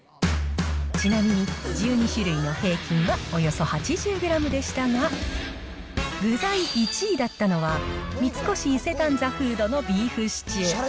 ちなみに、１２種類の平均は、およそ８０グラムでしたが、具材１位だったのは、三越伊勢丹ザ・フードのビーフシチュー。